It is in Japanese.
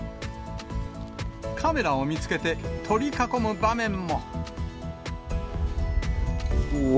カメラを見つけて、取り囲む場面も。